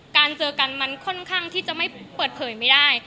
เจอกันมันค่อนข้างที่จะไม่เปิดเผยไม่ได้